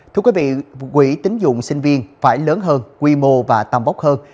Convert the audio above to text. thưa quý vị quỹ tính dụng sinh viên phải lớn hơn quy mô và tầm vóc hơn